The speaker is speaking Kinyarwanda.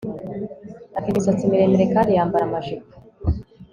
Afite imisatsi miremire kandi yambara amajipo